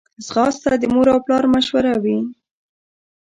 ځغاسته د مور او پلار مشوره وي